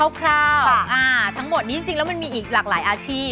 ทั้งหมดนี้จริงแล้วมันมีอีกหลากหลายอาชีพ